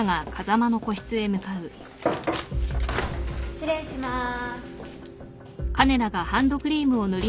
失礼します。